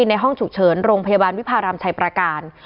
ในห้องฉุกเฉินโรงพยาบาลวิพารามชัยประการ